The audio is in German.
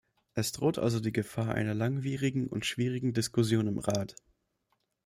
Es droht also die Gefahr einer langwierigen und schwierigen Diskussion im Rat.